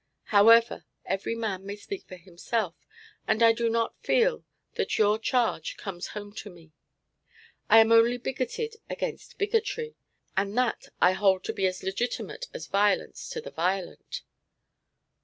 However, every man may speak for himself, and I do not feel that your charge comes home to me. I am only bigoted against bigotry, and that I hold to be as legitimate as violence to the violent.